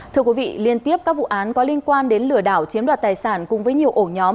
thưa quý vị liên tiếp các vụ án có liên quan đến lừa đảo chiếm đoạt tài sản cùng với nhiều ổ nhóm